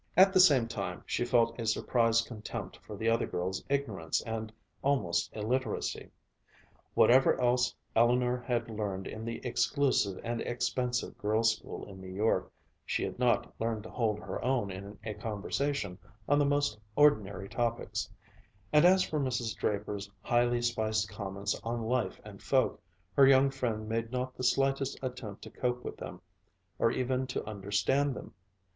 At the same time she felt a surprised contempt for the other girl's ignorance and almost illiteracy. Whatever else Eleanor had learned in the exclusive and expensive girls' school in New York, she had not learned to hold her own in a conversation on the most ordinary topics; and as for Mrs. Draper's highly spiced comments on life and folk, her young friend made not the slightest attempt to cope with them or even to understand them.